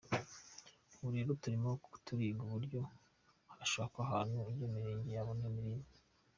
Ubu rero turimo turiga uburyo hashakwa ahantu iyo mirenge yabona irimbi.